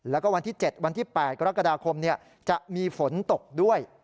แล้วก็วันที่๗วันที่๘กรกฎาคมจะมีฝนตกด้วย